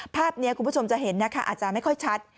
ภาพนี้คุณผู้ชมจะเห็นนะคะอาจจะไม่ค่อยชัด